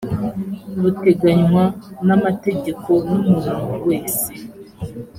buteganywa n amategeko n umuntu wese